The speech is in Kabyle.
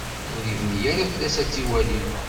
Ur ibni ara fell-as ad t-iwali.